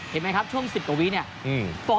เห็นมั้ยครับช่วงสิบกว่าวีเนี่ยอืม